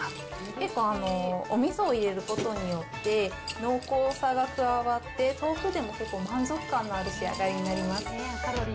結構、おみそを入れることによって濃厚さが加わって、豆腐でも結構満足感のある仕上がりになります。